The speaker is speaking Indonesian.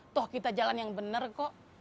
toh kita jalan yang benar kok